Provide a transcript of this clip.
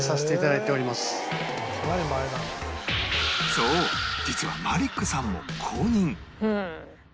そう実はマリックさんも公認